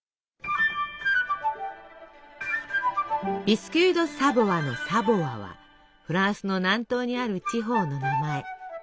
ビスキュイ・ド・サヴォワの「サヴォワ」はフランスの南東にある地方の名前。